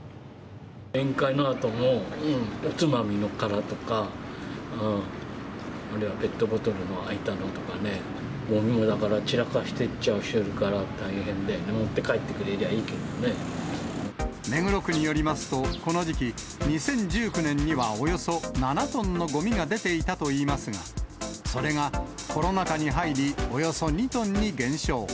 宴会のあとのおつまみの殻とか、あるいはペットボトルの空いたのとかね、ごみをだから、散らかしてっちゃう人がいるから、大変だよね、持って帰ってくれりゃいい目黒区によりますと、この時期、２０１９年には、およそ７トンのごみが出ていたといいますが、それがコロナ禍に入り、およそ２トンに減少。